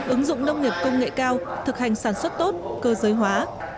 ứng dụng nông nghiệp công nghệ cao thực hành sản xuất tốt cơ giới hóa